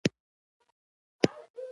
د دې حوزې لوی سیندونه کلمبیا او کلورادو دي.